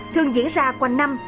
sẽ diễn ra quanh năm